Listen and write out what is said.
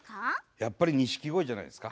やっぱり錦鯉じゃないですか？